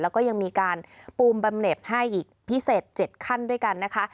แล้วก็ยังมีการปูมบำเน็ตให้อีกพิเศษ๗ขั้นด้วยกันนะคะ